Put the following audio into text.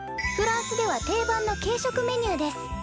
フランスでは定番の軽食メニューです。